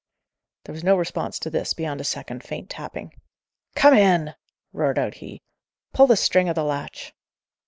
There was no response to this, beyond a second faint tapping. "Come in!" roared out he. "Pull the string o' the latch."